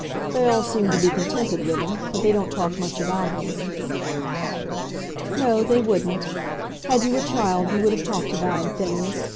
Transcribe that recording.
They all seem to be contented with him, but they don't talk much about him." "No; they wouldn't. Had you a child you would have talked about him, Phineas.